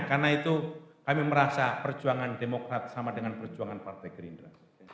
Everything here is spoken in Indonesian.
karena itu kami merasa perjuangan demokrat sama dengan perjuangan partai gerindra